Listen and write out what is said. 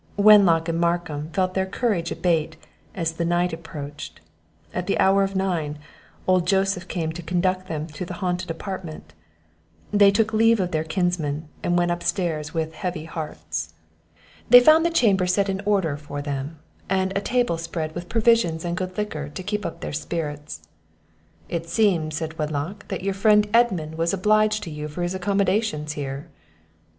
Wenlock and Markham felt their courage abate as the night approached; At the hour of nine, old Joseph came to conduct them to the haunted apartment; they took leave of their kinsmen, and went up stairs with heavy hearts. They found the chamber set in order for them, and a table spread with provision and good liquor to keep up their spirits. "It seems," said Wenlock, "that your friend Edmund was obliged to you for his accommodations here."